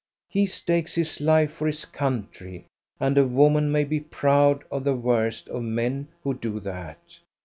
He stakes his life for his country, and a woman may be proud of the worst of men who do that.